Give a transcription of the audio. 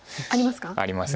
ありますか。